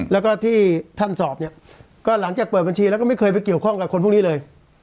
แล้วก็ที่ท่านสอบเนี่ยก็หลังจากเปิดบัญชีแล้วก็ไม่เคยไปเกี่ยวข้องกับคนพวกนี้เลย